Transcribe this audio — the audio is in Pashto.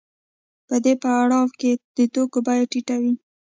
په دې پړاو کې د توکو بیه ټیټه وي